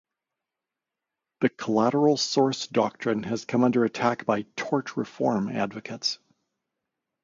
The collateral source doctrine has come under attack by "tort reform" advocates.